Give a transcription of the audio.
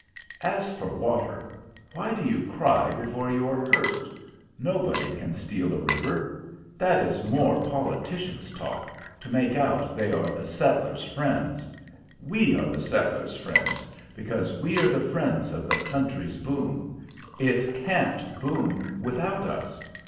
"As for water, why do you cry before you are hurt? Nobody can steal a river. That is more politicians' talk, to make out they are the settlers' friends. We are the settlers' friends, because we are the friends of the country's boom; it can't boom without us.